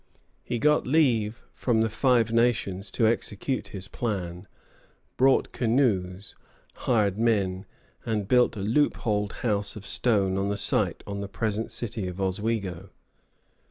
He got leave from the Five Nations to execute his plan, bought canoes, hired men, and built a loopholed house of stone on the site of the present city of Oswego.